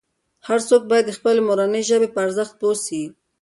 هر څوک باید د خپلې مورنۍ ژبې په ارزښت پوه سي.